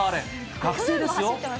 学生ですよ。